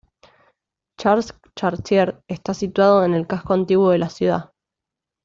Charles Chartier; y está situado en el casco antiguo de la ciudad.